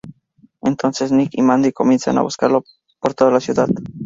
Entonces Nick y Mandy comienzan a buscarlo por toda la ciudad.